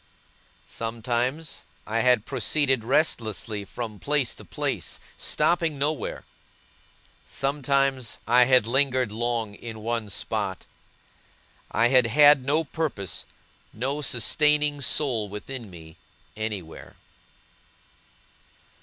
Sometimes, I had proceeded restlessly from place to place, stopping nowhere; sometimes, I had lingered long in one spot. I had had no purpose, no sustaining soul within me, anywhere.